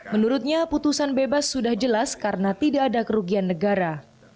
menurutnya putusan bebas sudah jelas karena tidak ada kerugian negara